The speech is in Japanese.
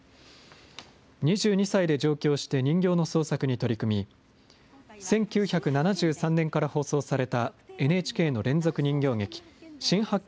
２２歳で上京して人形の創作に取り組み、１９７３年から放送されたＮＨＫの連続人形劇、新八犬